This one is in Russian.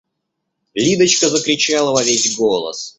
Лидочка закричала во весь голос.